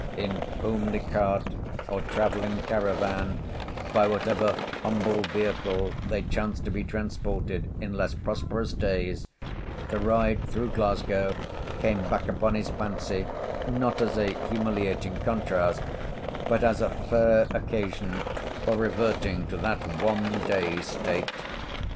In homely cart, or travelling caravan, by whatever humble vehicle they chanced to be transported in less prosperous days, the ride through Glasgow came back upon his fancy, not as a humiliating contrast, but as a fair occasion for reverting to that one day's state.